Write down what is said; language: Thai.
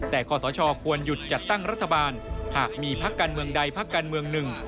แต่ขอสชควรหยุดจัดตั้งรัฐบาลหากมีพักการเมืองใดพักการเมืองหนึ่ง